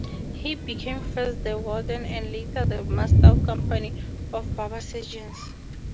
He became first the Warden and later the Master of the Company of Barber-Surgeons.